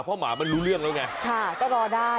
เพราะหมามันรู้เรื่องแล้วไงค่ะก็รอได้